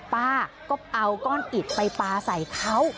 ป้าก็เอาก้อนอิดไปปลาใส่เขา